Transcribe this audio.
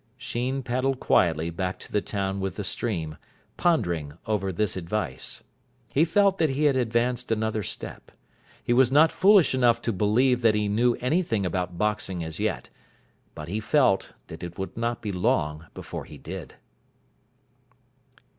Sheen paddled quietly back to the town with the stream, pondering over this advice. He felt that he had advanced another step. He was not foolish enough to believe that he knew anything about boxing as yet, but he felt that it would not be long before he did.